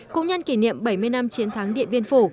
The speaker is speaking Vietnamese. cũng nhân kỷ niệm bảy mươi năm chiến thắng điện biên phủ